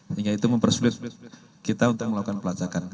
sehingga itu mempersulit kita untuk melakukan pelacakan